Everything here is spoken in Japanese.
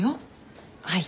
はい。